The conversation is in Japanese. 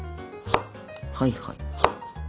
はいはい。